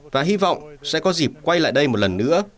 và hy vọng sẽ có dịp quay lại đây một lần nữa